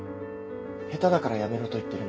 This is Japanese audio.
下手だからやめろと言ってるんだ。